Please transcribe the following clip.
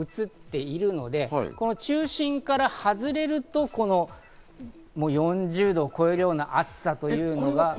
今もう少し東のほうへ移っているので、中心から外れると４０度を超えるような暑さというのが。